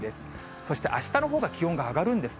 そしてあしたのほうが気温が上がるんですね。